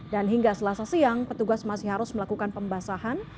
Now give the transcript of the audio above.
dan hingga selasa siang petugas masih harus melakukan pembasahan